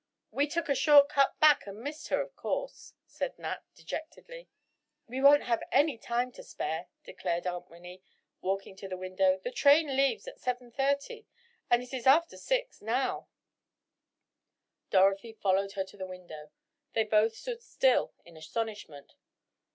"We took a short cut back and missed her, of course," said Nat, dejectedly. "We won't have any time to spare," declared Aunt Winnie, walking to the window, "the train leaves at seven thirty, and it is after six now," Dorothy followed her to the window. They both stood still in astonishment.